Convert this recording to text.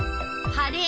晴れ。